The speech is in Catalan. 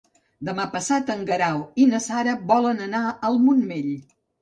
Demà passat en Guerau i na Sara volen anar al Montmell.